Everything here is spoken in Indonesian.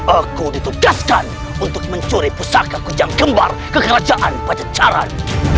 aku ditugaskan untuk mencuri pusaka kujang kembar kekerajaan pajajaran